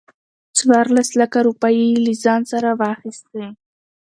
څورلس لکه روپۍ يې له ځان سره واخستې.